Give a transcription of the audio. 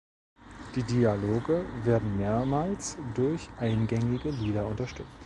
Die Dialoge werden mehrmals durch eingängige Lieder unterstützt.